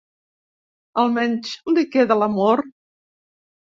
Almenys li queda l'amor.